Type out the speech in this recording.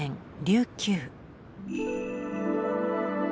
琉球。